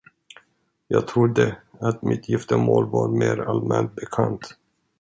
Jag trodde, att mitt giftermål var mera allmänt bekant.